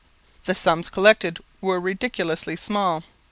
The sums collected were ridiculously small.